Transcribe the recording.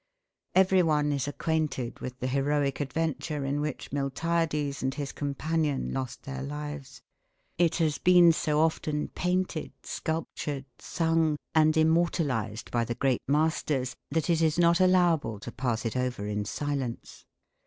Everyone is acquainted with the heroic adventure in which Miltiades and his companion lost their lives. It has been so often painted, sculptured, sung, and immortalised by the great masters, that it is not allowable to pass it over in silence.